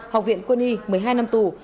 học viện quân y một mươi hai năm tù